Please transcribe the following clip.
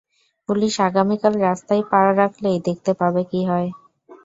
Police আগামীকাল রাস্তায় পা রাখলেই দেখতে পাবে কি হয়।